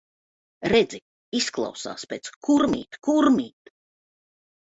Redzi, izklausās pēc "Kurmīt, kurmīt".